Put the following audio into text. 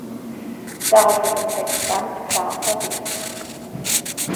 Darauf wird im Text ganz klar verwiesen.